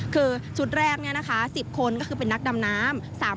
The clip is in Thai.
คือชุดแรก๑๐คนก็คือเป็นนักดำน้ำ